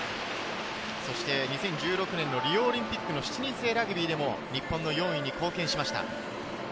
２０１６年のリオオリンピックの７人制ラグビーでも日本の４位に貢献しました。